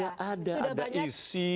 sudah ada ada isi kan